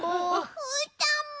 うーたんも。